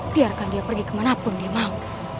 biarkan dia pergi kemana pun dia mau